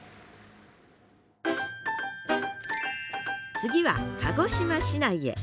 次は鹿児島市内へ。